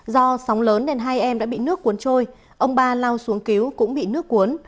do sóng lớn nên hai em đã bị nước cuốn trôi ông ba lao xuống cứu cũng bị nước cuốn